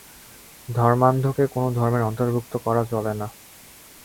ধর্মান্ধকে কোন ধর্মের অন্তর্ভুক্ত করা চলে না।